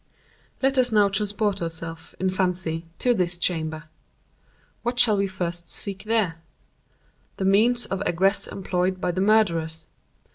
"Let us now transport ourselves, in fancy, to this chamber. What shall we first seek here? The means of egress employed by the murderers.